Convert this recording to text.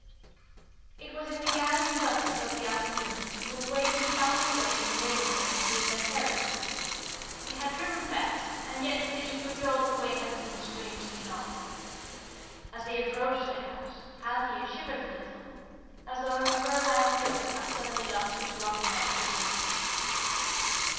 It was in the gathering dusk of the afternoon when Waveney found herself in the neighbourhood of Cleveland Terrace. They had driven fast, and yet to the eager girl the way had seemed strangely long. As they approached the house, Althea shivered a little, as though her fur lined cloak had suddenly lost its robin like cosiness.